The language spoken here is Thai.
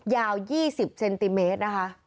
ยาว๒๐เซนติเมตร